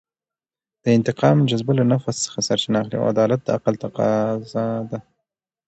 د انتقام جذبه له نفس څخه سرچینه اخلي او عدالت د عقل تفاضا ده.